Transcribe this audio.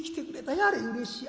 やれうれしや。